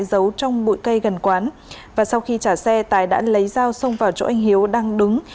giấu trong bụi cây gần quán và sau khi trả xe tài đã lấy dao xông vào chỗ anh hiếu đang đứng